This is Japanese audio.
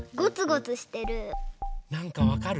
なんかわかる？